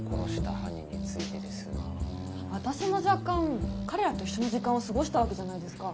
私も若干彼らと一緒の時間を過ごしたわけじゃないですか。